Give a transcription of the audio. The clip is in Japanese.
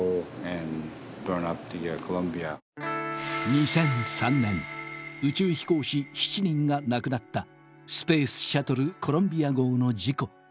２００３年宇宙飛行士７人が亡くなったスペースシャトルコロンビア号の事故。